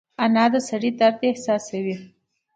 انا د سړي درد احساسوي